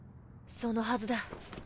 そのはずだ。